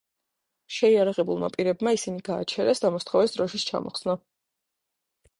შეიარაღებულმა პირებმა ისინი გააჩერეს და მოსთხოვეს დროშის ჩამოხსნა.